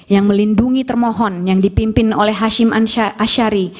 yang melindungi termohon yang dipimpin oleh hashim ashari